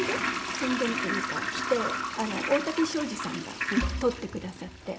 宣伝っていうか着て大竹省二さんが撮ってくださって。